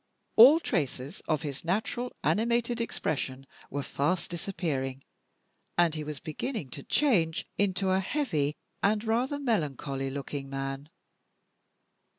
All traces of his natural animated expression were fast disappearing, and he was beginning to change into a heavy and rather melancholy looking man.